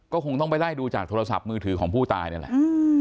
ก็คงต้องไปไล่ดูจากโทรศัพท์มือถือของผู้ตายนี่แหละ